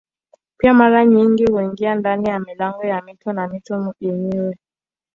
Pia mara nyingi huingia ndani ya milango ya mito na mito yenyewe.